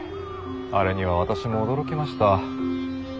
あれには私も驚きました。